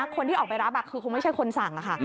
คนที่ออกไปรับคือคงไม่ใช่คนสั่งค่ะ